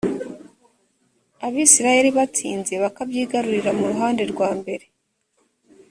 abisirayeli batsinze bakabyigarurira mu ruhande rwambere